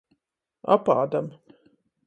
Apādam.